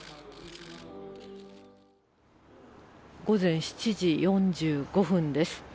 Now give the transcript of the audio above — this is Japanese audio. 午前７時４５分です。